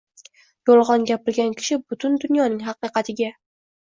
yolg‘on gapirgan kishi butun dunyoning haqiqatiga